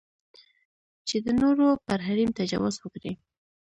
چې د نورو پر حریم تجاوز وکړي.